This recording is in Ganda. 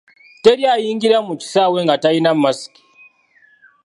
Teri ayingira mu kisaawe nga talina masiki.